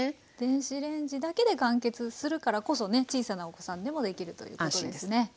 電子レンジだけで完結するからこそね小さなお子さんでもできるということですね。